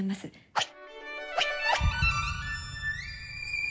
はい。